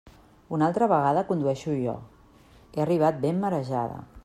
Una altra vegada condueixo jo; he arribat ben marejada.